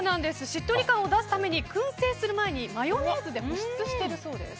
しっとり感を出すために燻製する前にマヨネーズで保湿しているそうです。